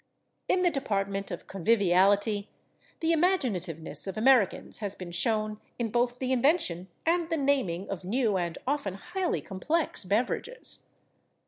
In the department of conviviality the imaginativeness of Americans has been shown in both the invention and the naming of new and often highly complex beverages.